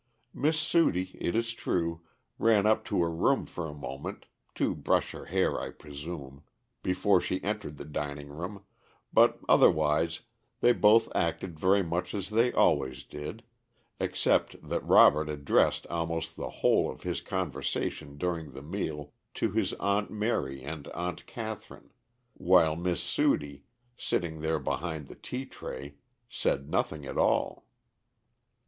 Miss Sudie, it is true, ran up to her room for a moment to brush her hair I presume before she entered the dining room, but otherwise they both acted very much as they always did, except that Robert addressed almost the whole of his conversation during the meal to his Aunt Mary and Aunt Catherine, while Miss Sudie, sitting there behind the tea tray, said nothing at all.